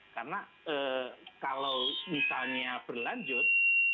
karena kalau misalnya berlanjut